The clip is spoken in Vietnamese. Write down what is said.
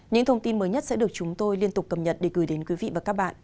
những thông tin mới nhất sẽ được chúng tôi liên tục cập nhật để gửi đến quý vị và các bạn